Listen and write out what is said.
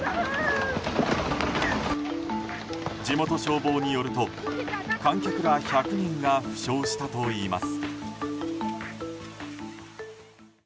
地元消防によると観客ら１００人が負傷したといいます。